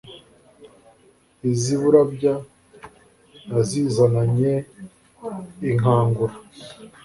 iz'i burabya yazizananye inkangura,